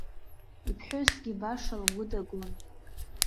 Иԥҳәысгьы баша лгәы дагон.